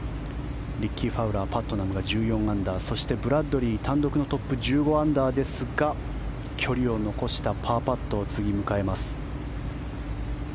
リッキー・ファウラーパットナムが１４アンダーそして、ブラッドリー単独のトップ１５アンダーですが距離を残したパーパットを次、迎えます。